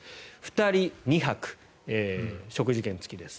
２人２泊食事券付きです。